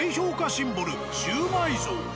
シンボルシウマイ像。